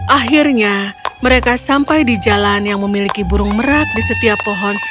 akhirnya mereka sampai di jalan yang memiliki burung merak di setiap pohon